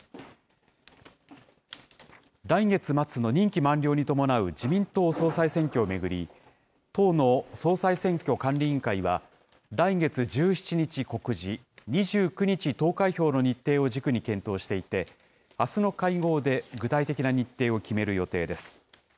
来月末の任期満了に伴う自民党総裁選挙を巡り、党の総裁選挙管理委員会は、来月１７日告示、２９日投開票の日程を軸に検討していて、あすの会合で具体的な日程を決める予定です。